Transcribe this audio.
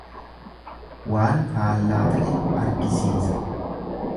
Waan faallaa ta'e argisiisa.